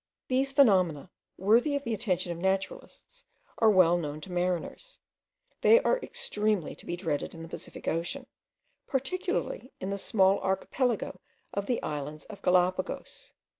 These phenomena, worthy the attention of naturalists, are well known to mariners; they are extremely to be dreaded in the Pacific ocean, particularly in the small archipelago of the islands of Galapagos.